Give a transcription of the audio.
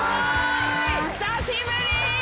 久しぶり！